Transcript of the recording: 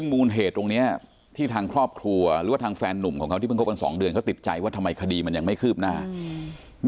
มูลเหตุตรงเนี้ยที่ทางครอบครัวหรือว่าทางแฟนหนุ่มของเขาที่เพิ่งคบกันสองเดือนเขาติดใจว่าทำไมคดีมันยังไม่คืบหน้าอืม